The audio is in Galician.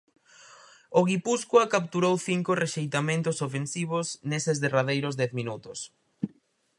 O Guipúscoa capturou cinco rexeitamentos ofensivos neses derradeiros dez minutos.